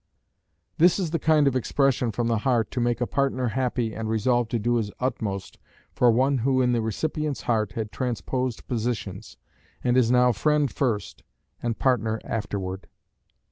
This is the kind of expression from the heart to make a partner happy and resolve to do his utmost for one who in the recipient's heart had transposed positions, and is now friend first, and partner afterward.